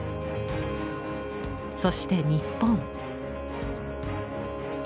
そして日本。